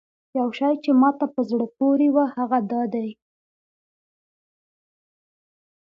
یو شی چې ماته په زړه پورې و هغه دا دی.